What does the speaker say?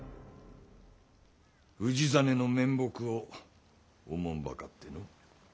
氏真の面目をおもんばかっての。